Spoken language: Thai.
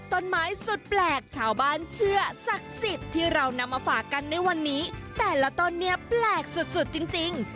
ต้นไม้สุดแปลกชาวบ้านเชื่อศักดิ์สิทธิ์ที่เรานำมาฝากกันในวันนี้แต่ละต้นเนี่ยแปลกสุดสุดจริง